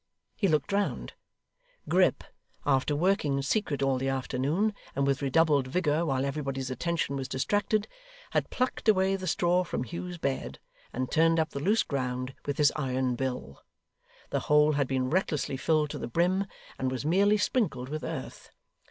He looked round. Grip, after working in secret all the afternoon, and with redoubled vigour while everybody's attention was distracted, had plucked away the straw from Hugh's bed, and turned up the loose ground with his iron bill. The hole had been recklessly filled to the brim, and was merely sprinkled with earth.